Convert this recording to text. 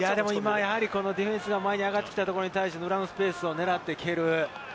ディフェンスが前に上がってきたところに対して、裏のスペースを狙って蹴る。